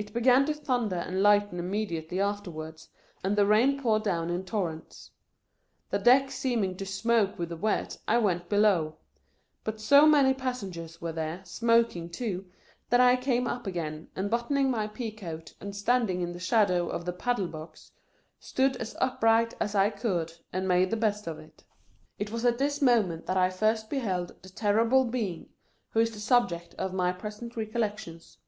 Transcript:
It began to thunder and lighten im mediately afterwards, and the rain poured down in torrents. The deck seeming to smoke with the wet, I went below ; but so many passengers were there, smoking too, that ] came up again, and buttoning my pea coat, and standing in the shadow of the paddle box, stood as upright as I could, and made the best of it. It was at this moment that I first beheld the terrible Being, who is the subject of my present recollections.